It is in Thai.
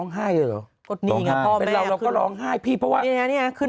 เขาเริ่มห่ายเลยเหรอ